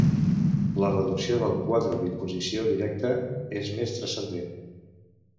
La reducció del quadre d'imposició directa és més transcendent.